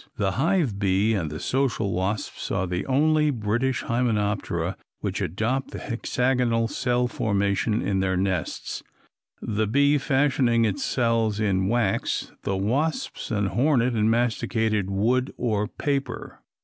The hive bee and the social wasps are the only British Hymenoptera which adopt the hexagonal cell formation in their nests, the bee fashioning its cells in wax, the wasps and hornet in masticated wood or paper.